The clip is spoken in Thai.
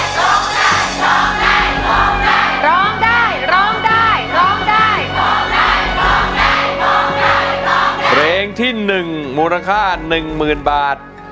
ร้องได้ร้องได้ร้องได้